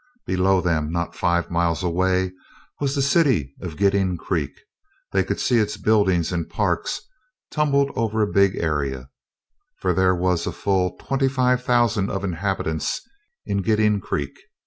Below them, not five miles away, was the city of Gidding Creek; they could see its buildings and parks tumbled over a big area, for there was a full twenty five thousand of inhabitants in Gidding Creek.